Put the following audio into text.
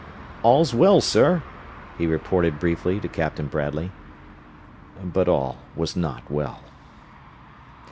"All's well, sir," he reported briefly to Captain Bradley but all was not well.